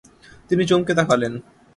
তিনি চমকে তাকালেন।